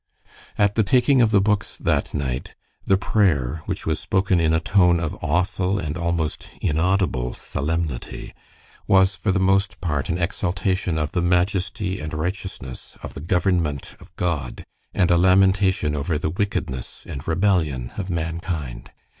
At the taking of the books that night the prayer, which was spoken in a tone of awful and almost inaudible solemnity, was for the most part an exaltation of the majesty and righteousness of the government of God, and a lamentation over the wickedness and rebellion of mankind.